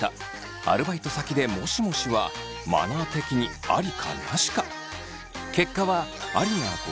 アルバイト先で「もしもし」はマナー的にありかなしか。